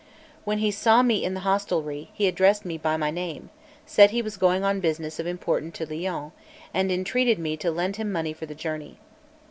When he saw me in the hostelry, he addressed me by my name, said he was going on business of importance to Lyons, and entreated met to lend him money for the journey.